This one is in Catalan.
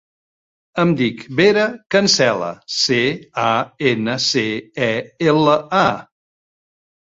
Em dic Vera Cancela: ce, a, ena, ce, e, ela, a.